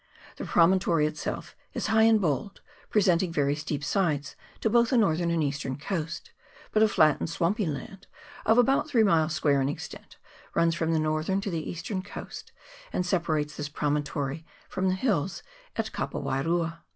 The promontory itself is high and bold, presenting very steep sides to both the northern and eastern coast ; but a flat and swampy land of about three square miles in extent runs from the northern to the eastern coast, and sepa CHAP. XII.] PARENGA RENGA. 205 rates this promontory from the hills at Kapo wairua.